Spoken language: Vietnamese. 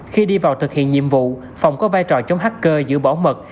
khi đi vào thực hiện nhiệm vụ phòng có vai trò chống hacker giữ bảo mật